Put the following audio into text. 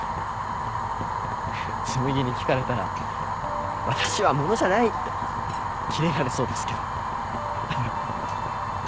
紬に聞かれたら「私は物じゃない！」ってキレられそうですけど。